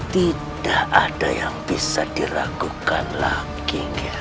tidak ada yang bisa diragukan lagi